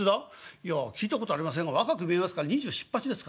「いや聞いたことありませんが若く見えますから２７２８ですかね？